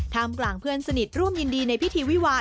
กลางเพื่อนสนิทร่วมยินดีในพิธีวิวาล